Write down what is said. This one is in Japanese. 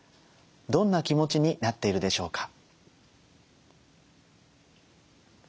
どんな気持ちになっているでしょうか。